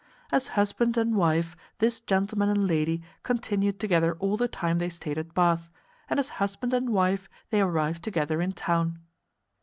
As husband and wife this gentleman and lady continued together all the time they stayed at Bath, and as husband and wife they arrived together in town.